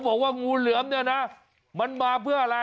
บอกว่างูเหลือมเนี่ยนะมันมาเพื่ออะไร